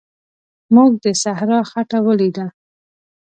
موږ د صحرا خټه ولیده.